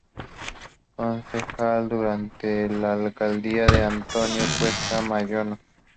Concejal durante la alcaldía de Antonio Cuesta Moyano.